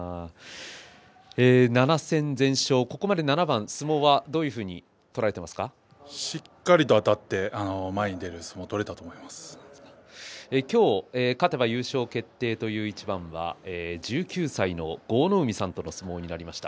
７戦全勝、ここまで７番相撲はどういうふうにしっかりとあたって今日勝てば優勝決定という一番１９歳の豪ノ湖さんとの相撲になりました。